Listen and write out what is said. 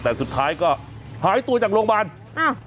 แต่สุดท้ายก็หายตัวจากโรงพยาบาลอ้าว